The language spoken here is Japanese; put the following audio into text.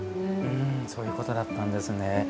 そういうことだったんですね。